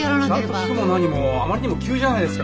ちゃんと聞くも何もあまりにも急じゃないですか